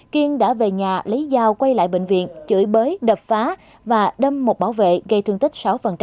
kiên đã về nhà lấy dao quay lại bệnh viện chửi bới đập phá và đâm một bảo vệ gây thương tích sáu